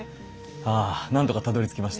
あ何とかたどりつきました。